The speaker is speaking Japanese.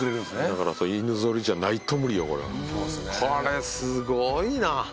だからこれすごいな。